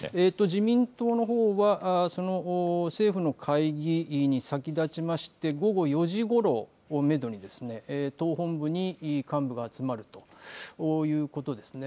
自民党のほうは政府の会議に先立ちまして午後４時ごろをめどに党本部に幹部が集まるということですね。